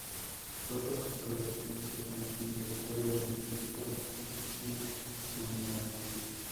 Fue profesor de Princeton y director del Instituto Smithsoniano.